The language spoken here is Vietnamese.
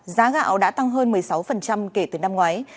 giá gạo đã tăng hơn một mươi sáu kể từ năm ngoái